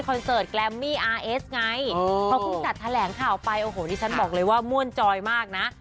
เสิร์ตแกรมมี่อาร์เอสไงพอเพิ่งจัดแถลงข่าวไปโอ้โหดิฉันบอกเลยว่าม่วนจอยมากนะ